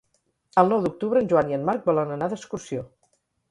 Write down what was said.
El nou d'octubre en Joan i en Marc volen anar d'excursió.